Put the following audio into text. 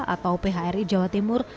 atau phri jawa timur